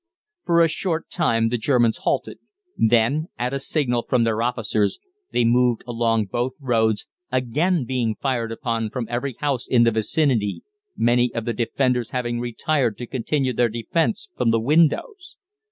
For a short time the Germans halted, then, at a signal from their officers, they moved along both roads, again being fired upon from every house in the vicinity, many of the defenders having retired to continue their defence from the windows.